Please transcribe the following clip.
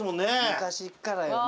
昔っからよね。